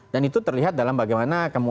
dan itu terlihat dalam bagaimana